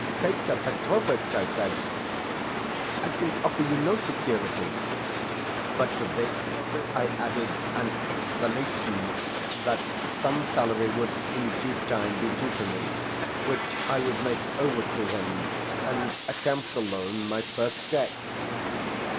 "Peter Petrovitch," I said, "I can offer you no security," but to this I added an explanation that some salary would, in time, be due to me, which I would make over to him, and account the loan my first debt.